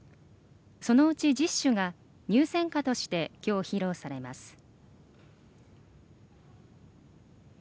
そのうち１０首が入選歌としてきょう、披露されます。